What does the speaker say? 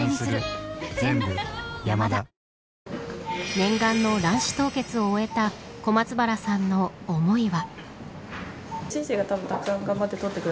念願の卵子凍結を終えた小松原さんの思いは。